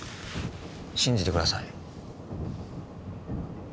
信じてください。